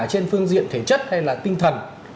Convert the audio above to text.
trên phương diện thể chất hay là tinh thần